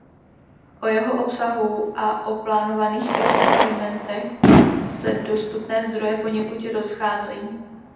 O jeho obsahu a o plánovaných experimentech se dostupné zdroje poněkud rozcházejí.